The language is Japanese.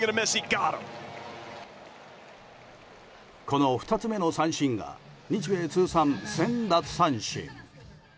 この２つ目の三振が日米通算１０００奪三振。